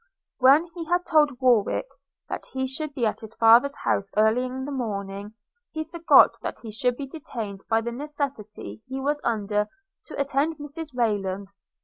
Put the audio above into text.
When he had told Warwick that he should be at his father's house early in the morning, he forgot that he should be detained by the necessity he was under to attend Mrs Rayland.